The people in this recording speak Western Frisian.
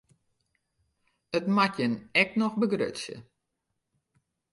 It moat jin ek noch begrutsje.